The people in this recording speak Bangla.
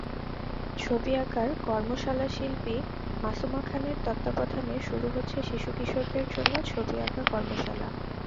ছবি আঁকার কর্মশালাশিল্পী মাসুমা খানের তত্ত্বাবধানে শুরু হচ্ছে শিশু-কিশোরদের জন্য ছবি আঁকা কর্মশালা।